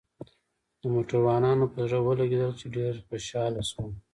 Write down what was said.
د موټروانانو په زړه ولګېدل، چې ډېر خوشاله شول.